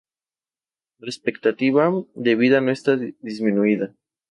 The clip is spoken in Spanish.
La expectativa de vida no está disminuida.